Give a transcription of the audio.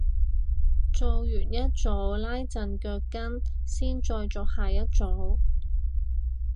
做完一組拉陣腳筋先再做下一組